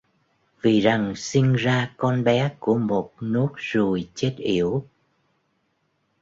vì rằng sinh ra con bé của một nốt ruồi chết yểu